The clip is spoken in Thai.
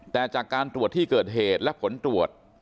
แต่จากการตรวจที่เกิดเหตุและผลตรวจ